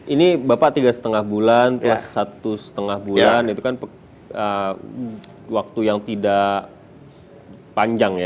ini bapak tiga lima bulan plus satu setengah bulan itu kan waktu yang tidak panjang ya